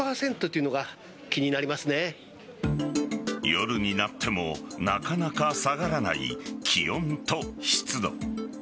夜になってもなかなか下がらない気温と湿度。